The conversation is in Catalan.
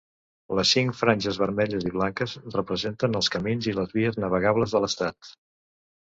Les cinc franges vermelles i blanques representen els camins i les vies navegables de l'estat.